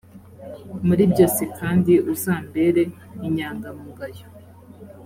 muri byose kandi uzambere inyangamugayo